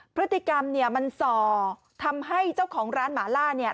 พฤติกรรมเนี่ยมันส่อทำให้เจ้าของร้านหมาล่าเนี่ย